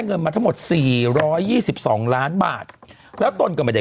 เงินมาทั้งหมดสี่ร้อยยี่สิบสองล้านบาทแล้วตนก็ไม่ได้